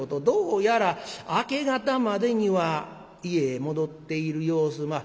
どうやら明け方までには家へ戻っている様子。